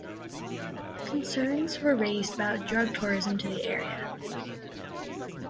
Concerns were raised about "drug tourism" to the area.